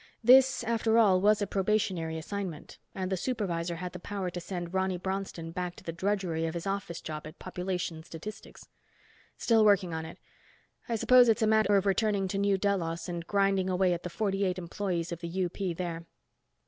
This after all was a probationary assignment, and the supervisor had the power to send Ronny Bronston back to the drudgery of his office job at Population Statistics. "Still working on it. I suppose it's a matter of returning to New Delos and grinding away at the forty eight employees of the UP there."